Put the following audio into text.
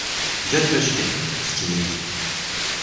Bien imaginé, dit Kennedy.